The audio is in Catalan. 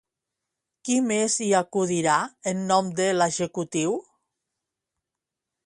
Qui més hi acudirà en nom de l'executiu?